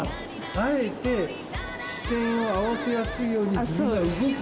あえて、視線を合わせやすいように自分から動く？